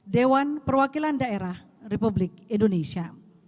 dewan perwakilan daerah republik indonesia